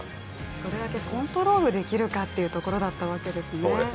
どれだけコントロールできるかというところだったわけですね。